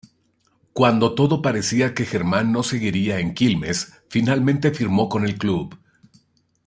Cuando todo parecía que Germán no seguiría en Quilmes finalmente firmó con el club.